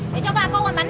để cho bà con bán hàng